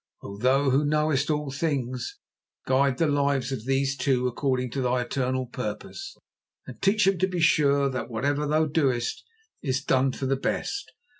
O Thou Who knowest all things, guide the lives of these two according to Thy eternal purpose, and teach them to be sure that whatever Thou doest, is done for the best.